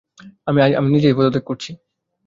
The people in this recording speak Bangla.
আমি নিজেই পদত্যাগ করছি।